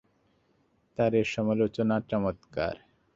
তার এ সমালোচনা চমৎকার।